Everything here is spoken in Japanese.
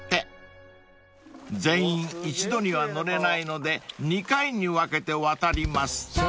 ［全員一度には乗れないので２回に分けて渡ります］